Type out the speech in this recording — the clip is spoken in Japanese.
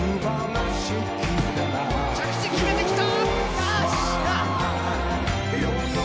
着地、決めてきた！